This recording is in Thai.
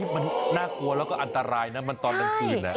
มันน่ากลัวแล้วก็อันตรายนะมันตอนกลางคืน